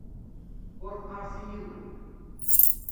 Ur qqaṛet i yiwen.